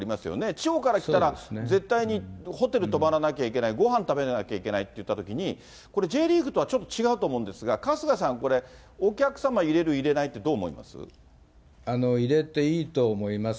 地方から来たら絶対にホテル泊まらなきゃいけない、ごはん食べなきゃいけないっていったときに、これ、Ｊリーグとはちょっと違うと思うんですが、春日さん、これ、お客様入れる、入れないってどう入れていいと思います。